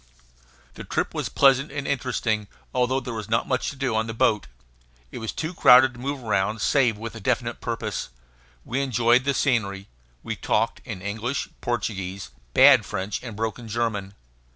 The trip was pleasant and interesting, although there was not much to do on the boat. It was too crowded to move around save with a definite purpose. We enjoyed the scenery; we talked in English, Portuguese, bad French, and broken German.